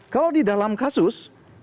kalau di dalam kasus